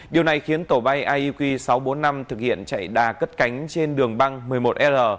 điều này khiến tổ bay ieq sáu trăm bốn mươi năm thực hiện chạy đà cất cánh trên đường băng một mươi một r